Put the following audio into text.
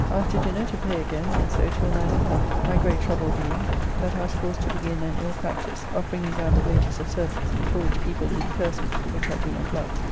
After dinner to Pay again, and so till 9 at night, my great trouble being that I was forced to begin an ill practice of bringing down the wages of servants, for which people did curse me, which I do not love.